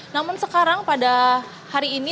namun sekarang pada hari ini